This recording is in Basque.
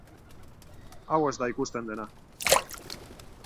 Hau ez da ikusten dena.